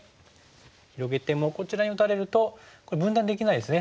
広げてもこちらに打たれるとこれ分断できないですね